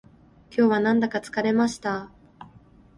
今日はなんだか疲れました